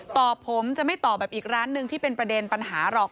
ต่อผมจะไม่ตอบแบบอีกร้านหนึ่งที่เป็นประเด็นปัญหาหรอก